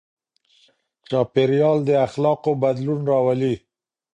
چاپېريال د اخلاقو بدلون راولي.